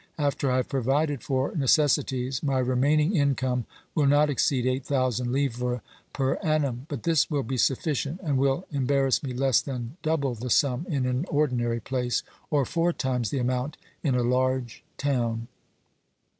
After I have provided for necessities my remaining income will not exceed eight thousand livres per annum, but this will be sufficient, and will embarrass me less than double the sum in an ordinary place, or four times the amount in a large town.